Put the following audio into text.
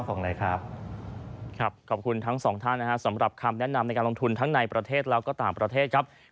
โอ้โฮขึ้นเลยเป็นปากเลย